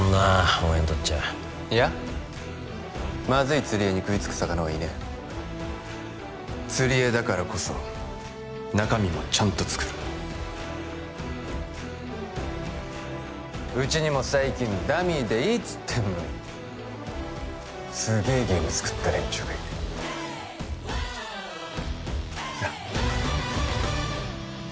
お前にとっちゃいやまずい釣り餌に食いつく魚はいねえ釣り餌だからこそ中身もちゃんと作るうちにも最近「ダミーでいい」っつってんのにすげえゲーム作った連中がいてなっ？